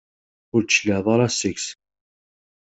Ur d-tecliɛeḍ ara seg-s.